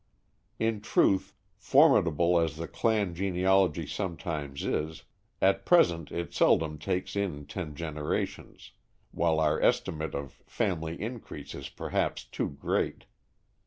In truth, formidable as the "clan" genealogy sometimes is, at present it seldom takes in ten generations, while our estimate of family increase is perhaps too great.